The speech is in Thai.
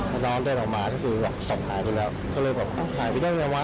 ก็น้องต้องออกมาสับหายซึ่งแล้วก็เลยอ้ะถ่ายไปเรื่องแม่หรือเปล่า